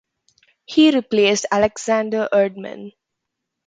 He replaced Aleksander Erdman.